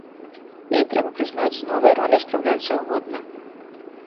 І, трэба прызнаць, з новай роляй спраўляюцца годна.